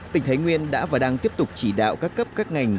tỉnh thái nguyên đã và đang tiếp tục chỉ đạo các cấp các ngành